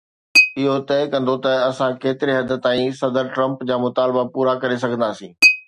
اهو طئي ڪندو ته اسان ڪيتري حد تائين صدر ٽرمپ جا مطالبا پورا ڪري سگهنداسين.